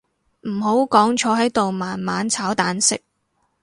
唔好講坐喺度慢慢炒蛋食